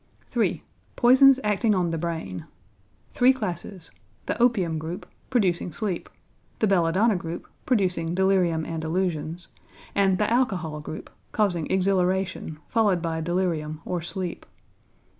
3. =Poisons Acting on the Brain.= Three classes: The opium group, producing sleep; the belladonna group, producing delirium and illusions; and the alcohol group, causing exhilaration, followed by delirium or sleep.